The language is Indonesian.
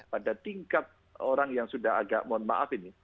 pada tingkat orang yang sudah agak mohon maaf ini